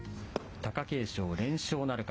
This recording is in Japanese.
貴景勝、連勝なるか。